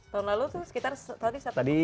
tahun lalu tuh sekitar satu